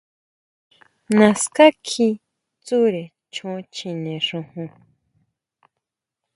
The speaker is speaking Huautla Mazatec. Naská kjí tsʼure choon chjine xojon.